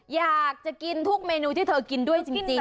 อยากจะกินทุกเมนูที่เธอกินด้วยจริง